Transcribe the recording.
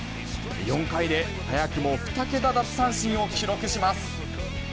４回で早くも２桁奪三振を記録します。